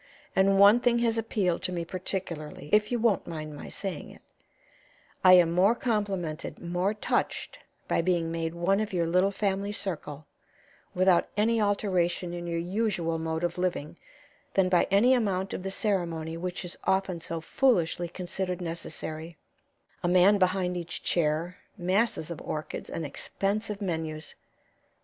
And one thing has appealed to me particularly, if you won't mind my saying it: I am more complimented, more touched, by being made one of your little family circle, without any alteration in your usual mode of living, than by any amount of the ceremony which is often so foolishly considered necessary a man behind each chair, masses of orchids, and expensive menus."